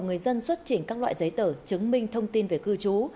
người dân xuất trình các loại giấy tờ chứng minh thông tin về cư trú